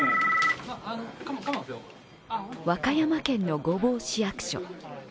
和歌山県の御坊市役所。